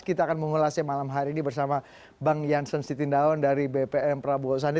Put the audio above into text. kita akan mengulasnya malam hari ini bersama bang jansen sitindaon dari bpn prabowo sandi